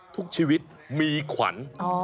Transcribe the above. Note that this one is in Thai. ทุกชีวิตมีขวัญ